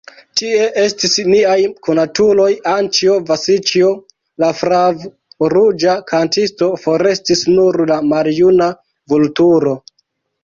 Tie estis niaj konatuloj: Anĉjo, Vasĉjo, la flavruĝa kantisto; forestis nur la maljuna Vulturo.